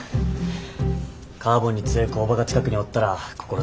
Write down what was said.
カーボンに強い工場が近くにおったら心強い。